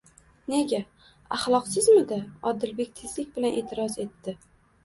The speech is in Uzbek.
Nega? Axloqsizmidi? Odilbek tezlik bilan e'tiroz etdi: